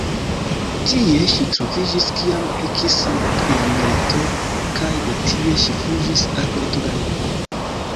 Tie ŝi troviĝis kiam ekis la milito, kaj de tie ŝi fuĝis al Portugalio.